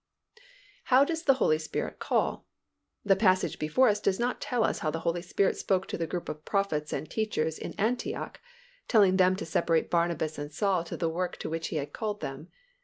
How does the Holy Spirit call? The passage before us does not tell us how the Holy Spirit spoke to the group of prophets and teachers in Antioch, telling them to separate Barnabas and Saul to the work to which He had called them.